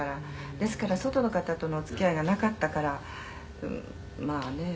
「ですから外の方とのお付き合いがなかったからまあねえ」